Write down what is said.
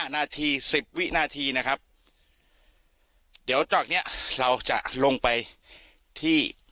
นาที๑๐วินาทีนะครับเดี๋ยวจากนี้เราจะลงไปที่